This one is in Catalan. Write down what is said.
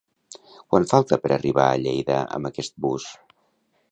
Quant falta per arribar a Lleida amb aquest bus?